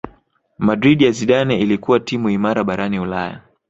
Madrid ya Zidane ilikuwa timu imara barani Ulaya